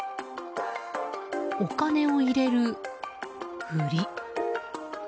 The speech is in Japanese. お金を入れるふり。